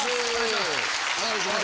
お願いします。